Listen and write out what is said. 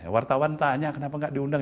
wartawan tanya kenapa tidak diundang